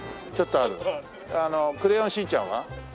あの『クレヨンしんちゃん』は？